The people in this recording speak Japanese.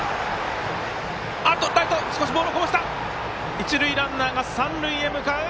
一塁ランナーが三塁へ向かう。